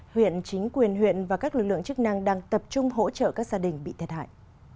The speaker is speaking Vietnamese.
huyện chính quyền huyện và các lực lượng chức năng đang tập trung hỗ trợ các gia đình bị thiệt hại